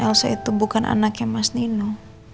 elsa itu bukan anaknya mas nino